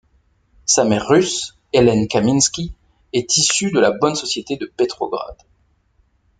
Sa mère russe, Hélène Kaminsky, est issue de la bonne société de Petrograd.